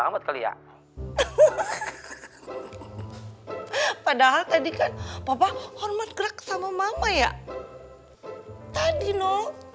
selamat kali ya padahal tadi kan papa hormat gerak sama mama ya tadi no